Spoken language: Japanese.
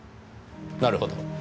なるほど。